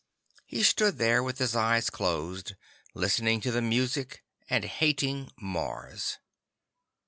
He stood there with his eyes closed, listening to the music and hating Mars.